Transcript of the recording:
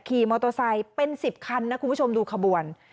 ขี่มอเตอร์ไซค์เป็น๑๐คันนะคุณผู้ชมดูขบวน